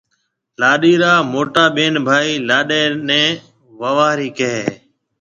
لاڏيَ را موٽا ٻين ڀائي لاڏيِ نَي ووارِي ڪهيَ هيَ۔